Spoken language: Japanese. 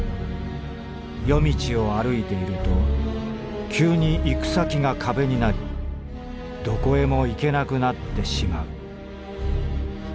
夜道を歩いていると急に行く先が壁になりどこへも行けなくなってしまう。